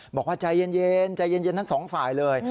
บอกว่าใจเย็นใจเย็นทั้งสองฝ่ายเลย